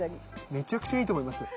めちゃくちゃいいと思います。